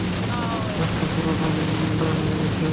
ব্যবসা পুরো মান্দা হয়ে গেছে।